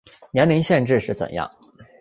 年龄限制是怎样